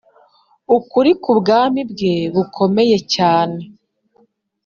ukuri k ubwami bwe bukomeye cyane